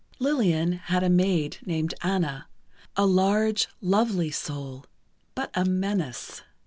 Lillian had a maid named Anna, a large, lovely soul, but a menace.